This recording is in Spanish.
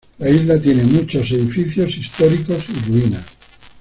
La isla tiene muchos edificios históricos y ruinas.